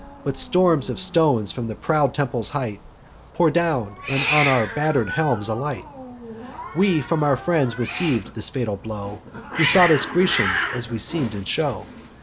But storms of stones, from the proud temple's height, Pour down, and on our batter'd helms alight: We from our friends receiv'd this fatal blow, Who thought us Grecians, as we seem'd in show.